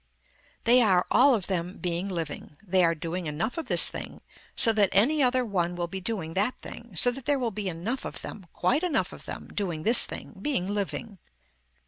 They are, all of them, being living, they are doing enough of this thing so that any other one will be doing that thing, so that there will be enough of them quite enough of them doing this thing, being living.